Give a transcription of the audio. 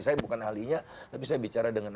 saya bukan ahlinya tapi saya bicara dengan